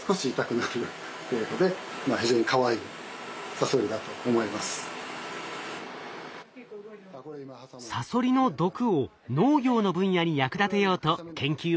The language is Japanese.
サソリの毒を農業の分野に役立てようと研究を進めているんです。